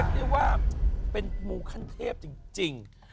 เรียกว่าเป็นมูขั้นเทพจริง